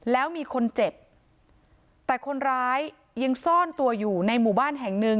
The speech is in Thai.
แล้วมีคนเจ็บแต่คนร้ายยังซ่อนตัวอยู่ในหมู่บ้านแห่งหนึ่ง